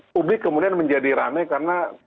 publik kemudian menjadi rame karena